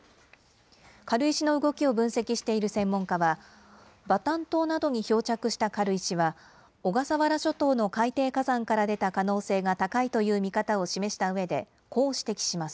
軽石の動きを分析している専門家は、バタン島などに漂着した軽石は、小笠原諸島の海底火山から出た可能性が高いという見方を示したうえで、こう指摘します。